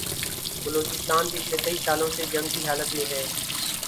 بلوچستان پچھلے کئی سالوں سے جنگ کی حالت میں ہے